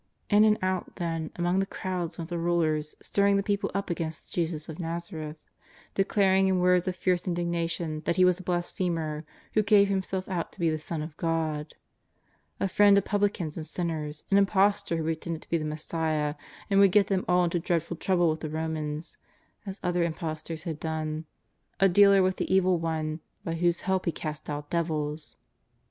In and out, then, among the crowds went the rulers stirring the people up against Jesus of Nazareth, de claring in words of fierce indignation that He was a blasphemer, who gave Himself out to be the Son of God, a friend of publicans and sinners, an impostor who pretended to be the Messiah, and would get them all into dreadful trouble with the Koraans, as other im postors had done, a dealer with the Evil One, by whose help He cast out devils.